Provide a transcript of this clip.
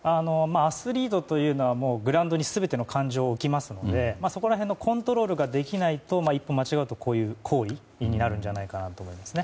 アスリートというのはグラウンドに全ての感情を置きますのでそこら辺のコントロールができないと一歩間違うと、こういう行為になるんじゃないかと思いますね。